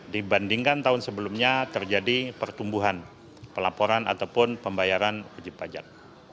dibandingkan tahun sebelumnya terjadi pertumbuhan pelaporan ataupun pembayaran wajib pajak